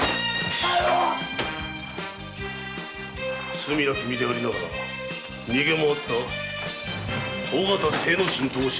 罪なき身でありながら逃げ回った尾形精之進とお篠。